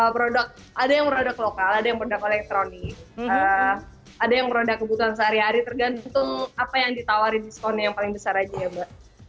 produk ada yang produk lokal ada yang produk elektronik ada yang produk kebutuhan sehari hari tergantung apa yang ditawarin diskonnya yang paling besar aja ya mbak